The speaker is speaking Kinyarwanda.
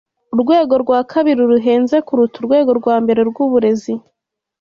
Urwego rwa kabiri ruhenze kuruta urwego rwa mbere rwuburezi